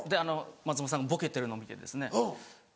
松本さんがボケてるのを見て何か。